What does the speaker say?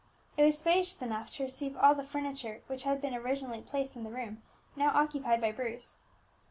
It was spacious enough to receive all the furniture which had been originally placed in the room now occupied by Bruce.